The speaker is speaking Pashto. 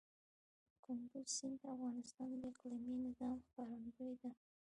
کندز سیند د افغانستان د اقلیمي نظام ښکارندوی ده.